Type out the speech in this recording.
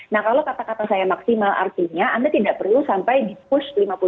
nah kalau kata kata saya maksimal artinya anda tidak perlu sampai di push lima puluh